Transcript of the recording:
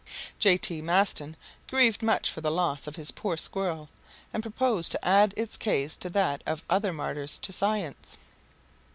J. T. Maston grieved much for the loss of his poor squirrel, and proposed to add its case to that of other martyrs to science.